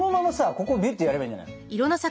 ここびゅってやればいいんじゃないの？